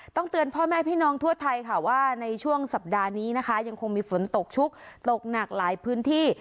เตือนพ่อแม่พี่น้องทั่วไทยค่ะว่าในช่วงสัปดาห์นี้นะคะยังคงมีฝนตกชุกตกหนักหลายพื้นที่